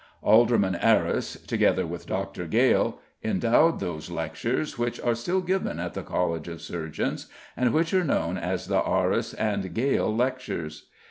Alderman Arris, together with Dr. Gale, endowed those lectures, which are still given at the College of Surgeons, and which are known as the Arris and Gale Lectures.